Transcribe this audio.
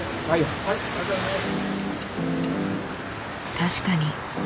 確かに。